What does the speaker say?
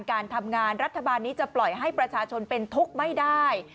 การทำงานรัฐบาลนี้จะปล่อยให้ประชาชนเป็นทุกข์ไม่ได้